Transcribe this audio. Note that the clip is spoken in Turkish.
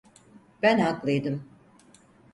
Ben haklıydım.